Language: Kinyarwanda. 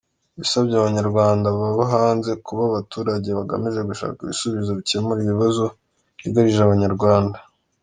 Yasabye Abanyarwanda baba hanze kuba abaturage bagamije gushaka ibisubizo bikemura ibibazo byugarije Abanyarwanda.